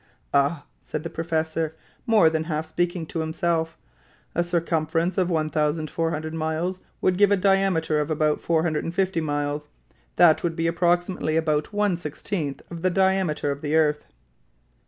"Ah!" said the professor, more than half speaking to himself, "a circumference of 1,400 miles would give a diameter of about 450 miles. That would be approximately about one sixteenth of the diameter of the earth."